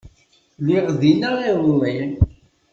Lliɣ dinna iḍelli.